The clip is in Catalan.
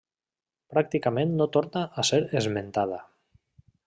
Pràcticament no torna a ser esmentada.